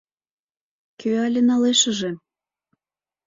Кӧ але налешыже?